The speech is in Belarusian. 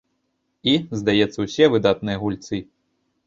І, здаецца, усе выдатныя гульцы.